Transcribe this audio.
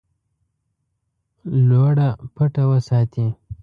لوړه پټه وساتي.